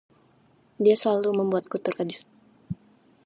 Dia selalu membuatku terkejut.